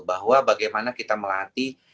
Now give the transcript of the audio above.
bahwa bagaimana kita melatih